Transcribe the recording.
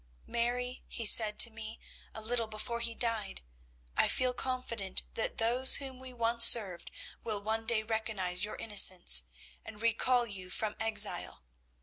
"'Mary,' said he to me, a little before he died, 'I feel confident that those whom we once served will one day recognise your innocence, and recall you from exile.